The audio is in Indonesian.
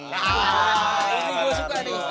nah ini gua suka nih